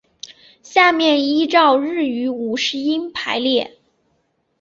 下面依照日语五十音排列。